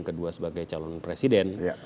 kedua sebagai calon presiden